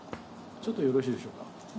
ちょっとよろしいでしょうか。